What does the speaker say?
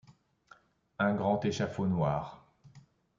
Un grand échafaud noir.